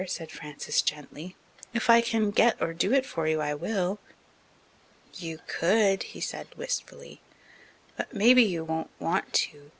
said Frances gently. "If I can get or do it for you, I will." "You could," he said wistfully, "but maybe you won't want to.